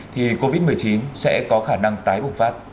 thì covid một mươi chín sẽ có khả năng tái bùng phát